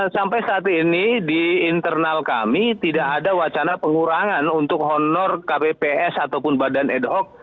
sampai saat ini di internal kami tidak ada wacana pengurangan untuk honor kpps ataupun badan ad hoc